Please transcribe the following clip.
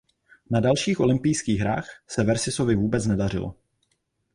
Na dalších olympijských hrách se Versisovi vůbec nedařilo.